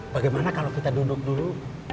bagaimana kalau kita duduk dulu